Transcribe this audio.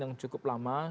yang cukup lama